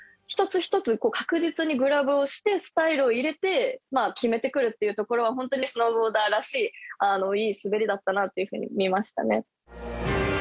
一つ一つ確実にグラブをして、スタイルを入れて決めてくるっていうところは、本当にスノーボーダーらしい、いい滑りだったなっていうふうに見えましたね。